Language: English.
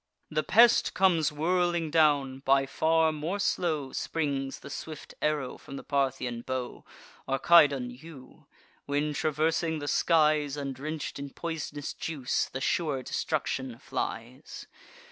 The pest comes whirling down: by far more slow Springs the swift arrow from the Parthian bow, Or Cydon yew, when, traversing the skies, And drench'd in pois'nous juice, the sure destruction flies.